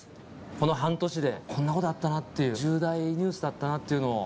この半年でこんなことあったなっていう、重大ニュースだったなっていうのを。